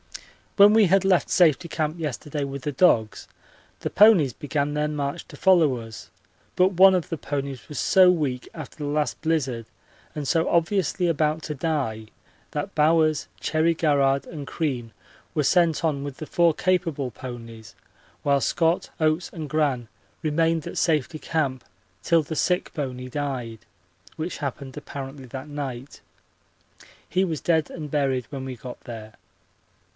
When we had left Safety Camp yesterday with the dogs, the ponies began their march to follow us, but one of the ponies was so weak after the last blizzard and so obviously about to die that Bowers, Cherry Garrard, and Crean were sent on with the four capable ponies, while Scott, Oates, and Gran remained at Safety Camp till the sick pony died, which happened apparently that night. He was dead and buried when we got there.